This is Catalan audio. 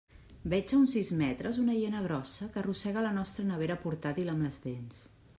Veig a uns sis metres una hiena grossa que arrossega la nostra nevera portàtil amb les dents.